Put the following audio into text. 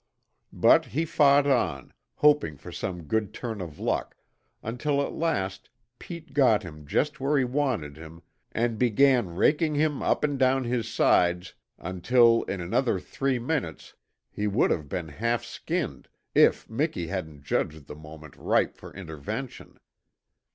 But he fought on, hoping for some good turn of luck, until at last Pete got him just where he wanted him and began raking him up and down his sides until in another three minutes he would have been half skinned if Miki hadn't judged the moment ripe for intervention.